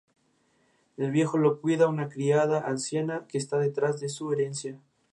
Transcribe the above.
Pangasinán no fue originalmente incluida en la región de Ilocos.